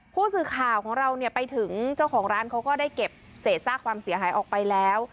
ผู้สื่อข่าวของเราเนี่ยไปถึงเจ้าของร้านเขาก็ได้เก็บเศษซากความเสียหายออกไปแล้ว